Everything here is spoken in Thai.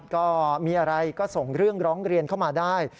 ก็มีอะไรก็ส่งเรื่องร้องเรียนเข้ามาได้